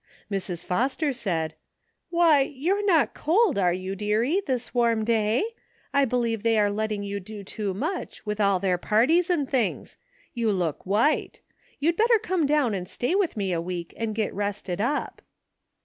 Mrs. Foster said :" Why, you're not cold, are you, dearie, this warm day ? I believe they are letting you do too much, with all their parties and things. You look white. You'd better come down and stay with me a week and get rested up."